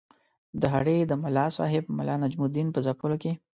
د هډې د ملاصاحب ملا نجم الدین په ځپلو کې.